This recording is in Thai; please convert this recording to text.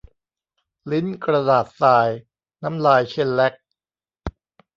ลิ้นกระดาษทราย น้ำลายเชลแล็ก